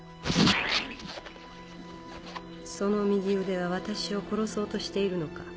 その右腕は私を殺そうとしているのか。